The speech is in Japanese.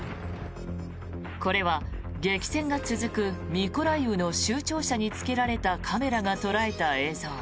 これは激戦が続くミコライウの州庁舎につけられたカメラが捉えた映像。